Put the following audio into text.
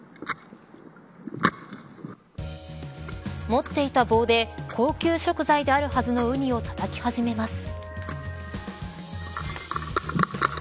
持っていた棒で高級食材であるはずのウニをたたき始めます。